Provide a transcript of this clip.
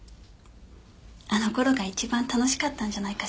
あの頃が一番楽しかったんじゃないかしら。